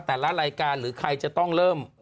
แต่ละรายการหรือใครจะต้องเริ่ม